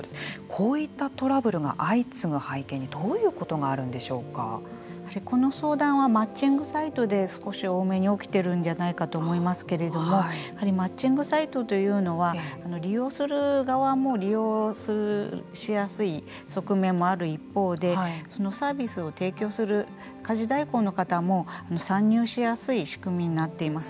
こういったトラブルが相次ぐ背景にこの相談はマッチングサイトで少し多目に起きているんじゃないかと思いますけれどもマッチングサイトというのは利用する側も利用しやすい側面もある一方でサービスを提供する家事代行の方も参入しやすい仕組みになっています。